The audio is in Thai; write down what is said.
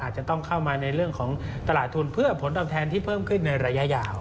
อาจจะต้องเข้ามาในเรื่องของตลาดทุนเพื่อผลตอบแทนที่เพิ่มขึ้นในระยะยาว